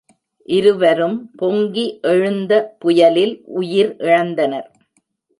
இருவரும் பொங்கி எழுந்த புயலில் உயிர் இழந்தனர்.